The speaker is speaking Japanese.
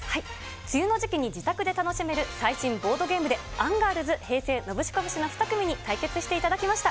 梅雨の時期に自宅で楽しめる最新ボードゲームで、アンガールズ、平成ノブシコブシの２組に対決していただきました。